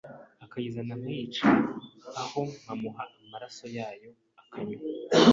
akayizana nkayicira aho nkamuha amaraso yayo akanywa